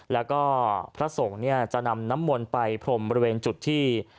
แล้วก็พระสงฆ์เนี่ยจะนำน้ำมนต์ไปพรมบริเวณจุดที่